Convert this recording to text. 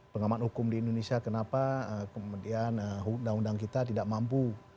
pengamat hukum di indonesia kenapa kemudian undang undang kita tidak mampu